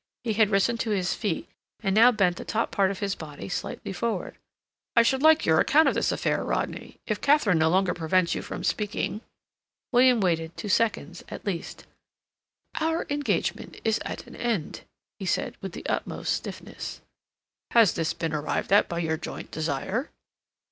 He had risen to his feet, and now bent the top part of his body slightly forward. "I should like your account of this affair, Rodney—if Katharine no longer prevents you from speaking." William waited two seconds at least. "Our engagement is at an end," he said, with the utmost stiffness. "Has this been arrived at by your joint desire?"